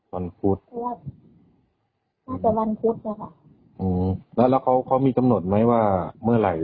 วันพุธเพราะว่าน่าจะวันพุธนะคะอืมแล้วแล้วเขาเขามีกำหนดไหมว่าเมื่อไหร่